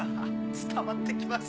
伝わって来ます。